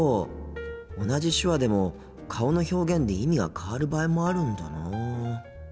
同じ手話でも顔の表現で意味が変わる場合もあるんだなあ。